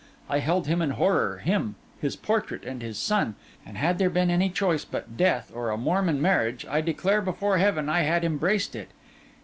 I held him in horror, him, his portrait, and his son; and had there been any choice but death or a Mormon marriage, I declare before Heaven I had embraced it.